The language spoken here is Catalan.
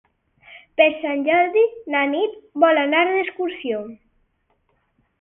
Per Sant Jordi na Nit vol anar d'excursió.